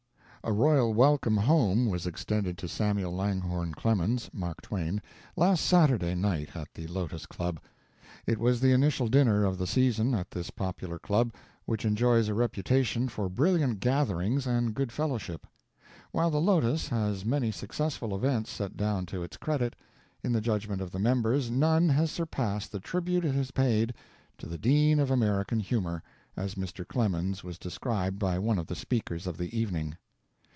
A royal welcome home was extended to Samuel Langhorne Clemens (Mark Twain) last Saturday night [November 10, 1900] at the Lotus Club. It was the initial dinner of the season at this popular club, which enjoys a reputation for brilliant gatherings and good fellowship. While the Lotos has many successful events set down to its credit, in the judgment of the members none has surpassed the tribute it has paid to "The Dean of American Humor," as Mr. Clemens was described by one of the speakers of the evening.